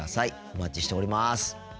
お待ちしております。